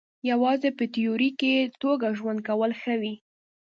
یوازې په تیوریکي توګه ژوند کول ښه وي.